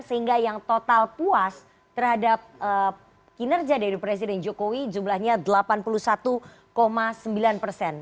sehingga yang total puas terhadap kinerja dari presiden jokowi jumlahnya delapan puluh satu sembilan persen